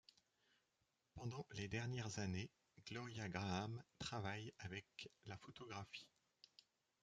Pendant les dernieres années, Gloria Graham travaille avec la photographie.